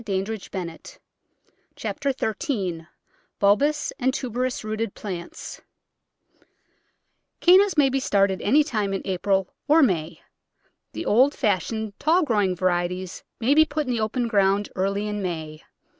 Digitized by Google Chapter THIRTEEN Bulbous an* Ctrterou&tootrt plants G ANNAS may be started any time in April or May. The old fashioned tall grow ing varieties may be put in the open ground early in May.